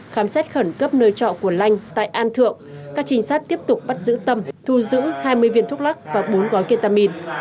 khám xét khẩn cấp nơi trọ của lanh tại an thượng các trinh sát tiếp tục bắt giữ tâm thu giữ hai mươi viên thuốc lắc và bốn gói ketamin